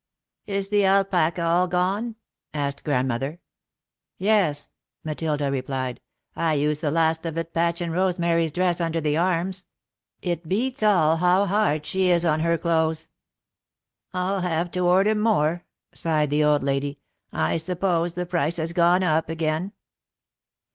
"Is the alpaca all gone?" asked Grandmother. "Yes," Matilda replied. "I used the last of it patchin' Rosemary's dress under the arms. It beats all how hard she is on her clothes." [Sidenote: A Question of Colour] "I'll have to order more," sighed the old lady. "I suppose the price has gone up again."